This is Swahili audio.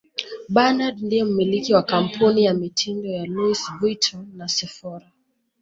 Bernard ndiye mmiliki wa kampuni ya mitindo ya Louis Vuitton na Sephora